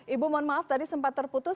ibu mohon maaf tadi sempat terputus